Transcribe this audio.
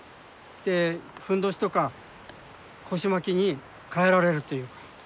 でふんどしとか腰巻きに替えられるという。